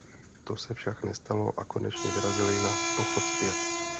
To se však nestalo a konečně vyrazili na pochod zpět.